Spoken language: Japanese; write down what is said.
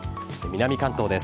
南関東です。